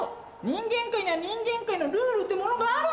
人間界には人間界のルールってものがあるんだ！